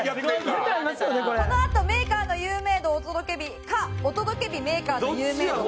このあとメーカーの有名度お届け日かお届け日メーカーの有名度か。